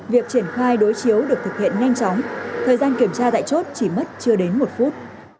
việc triển khai đối chiếu được thực hiện nhanh chóng thời gian kiểm tra tại chốt chỉ mất chưa đến một phút